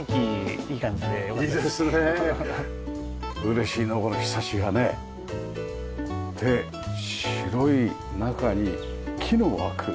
嬉しいなこのひさしがね。で白い中に木の枠。